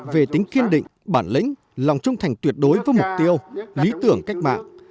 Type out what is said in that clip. về tính kiên định bản lĩnh lòng trung thành tuyệt đối với mục tiêu lý tưởng cách mạng